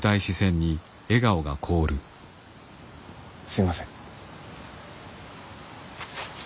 すいません。